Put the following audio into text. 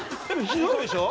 ひどいでしょ？